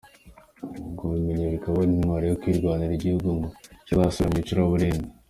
Kubimenya bikaba nk’intwaro yo kurwanirira igihugu ngo kitazasubira mu icuraburindi.